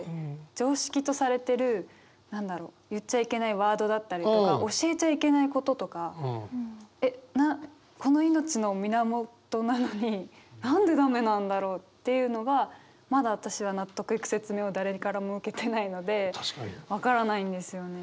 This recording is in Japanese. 常識とされてる何だろう言っちゃいけないワードだったりとか教えちゃいけないこととかえっこの命の源なのになんでダメなんだろうっていうのがまだ私は納得いく説明を誰からも受けてないので分からないんですよね。